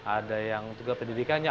ada yang juga pendidikannya